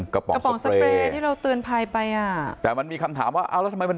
กระป๋องสไปรเราตื่นภัยไปอ่ะแต่มันมีคำถามว่าเอละทำไมมัน